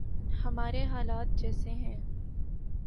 ہمارے حالات جیسے ہیں۔